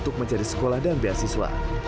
dan menjadi sekolah dan beasiswa